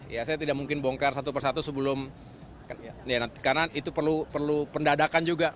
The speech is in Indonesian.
ya saya tidak mungkin bongkar satu persatu sebelum karena itu perlu pendadakan juga